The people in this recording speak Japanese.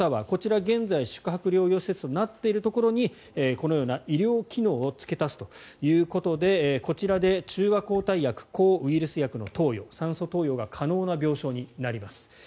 こちら、現在、宿泊療養施設となっているところにこのような医療機能をつけ足すということでこちらで中和抗体薬抗ウイルス薬の投与酸素投与が可能な病床になります。